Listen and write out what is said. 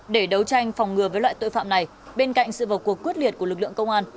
để đấu tranh phòng ngừa với loại tội phạm này bên cạnh sự vào cuộc quyết liệt của lực lượng công an